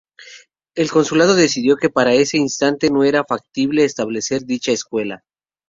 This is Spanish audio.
El Consulado decidió que para ese instante no era factible establecer dicha escuela.